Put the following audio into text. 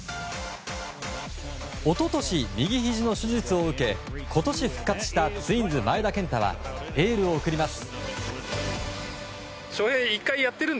一昨年、右ひじの手術を受け今年復活したツインズ前田健太はエールを送ります。